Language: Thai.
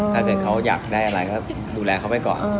ถ้าเกิดเขาอยากได้อะไรก็ดูแลเขาไปก่อน